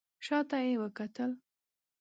شا ته یې وکتل.